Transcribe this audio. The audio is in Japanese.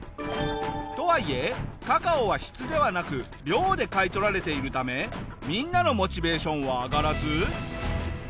とはいえカカオは質ではなく量で買い取られているためみんなのモチベーションは上がらず。